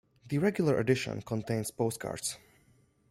The regular edition contains postcards.